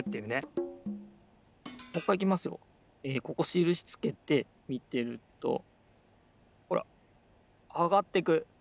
ここしるしつけてみてるとほらあがってく。